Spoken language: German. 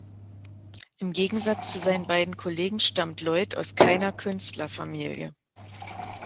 Im Gegensatz zu seinen beiden Kollegen stammte Lloyd aus keiner Künstlerfamilie.